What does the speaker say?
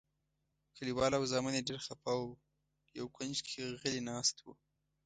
کلیوال او زامن یې ډېر خپه او یو کونج کې غلي ناست وو.